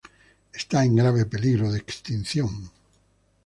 Está en grave peligro de extinción.